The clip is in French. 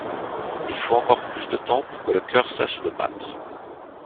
Il faut encore plus de temps pour que le cœur cesse de battre.